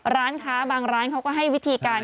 ร้านค้าบางร้านเขาก็ให้วิธีการ